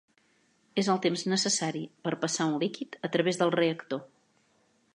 És el temps necessari per passar un líquid a través del reactor.